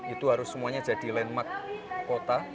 itu harus semuanya jadi landmark kota